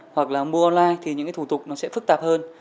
hoặc là mua online thì những cái thủ tục nó sẽ phức tạp hơn